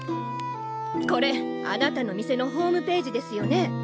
これあなたの店のホームページですよね？